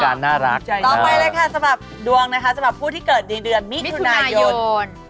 ต่อไปเลยสำหรับดวงผู้ที่เกิดเดือนมิทุนายน